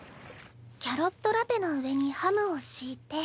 キャロットラペの上にハムを敷いて。